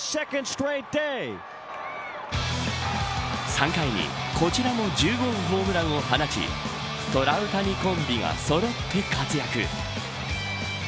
３回にこちらも１０号ホームランを放ちトラウタニコンビがそろって活躍。